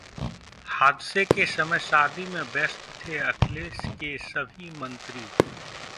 हादसे के समय शादी में व्यस्त थे अखिलेश के सभी मंत्री